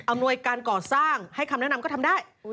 หน่วยการก่อสร้างให้คำแนะนำก็ทำได้